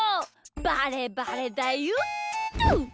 バレバレだよっと！